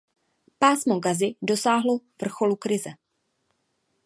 Pásmo Gazy dosáhlo vrcholu krize.